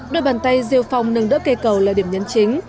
đôi bàn tay diêu phong nâng đỡ cây cầu là điểm nhấn chính